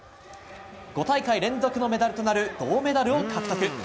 ５大会連続のメダルとなる銅メダルを獲得。